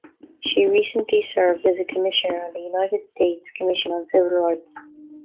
She recently served as a Commissioner on the United States Commission on Civil Rights.